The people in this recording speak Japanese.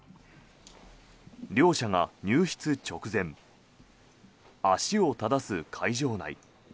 両者が入室直前足を正す会場内。